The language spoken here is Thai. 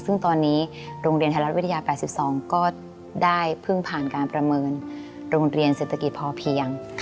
ซึ่งตอนนี้โรงเรียนไทยรัฐวิทยา๘๒ก็ได้เพิ่งผ่านการประเมินโรงเรียนเศรษฐกิจพอเพียง